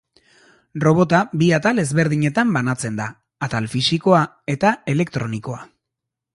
Robota bi atal ezberdinetan banatzen da, atal fisikoa eta elektronikoa.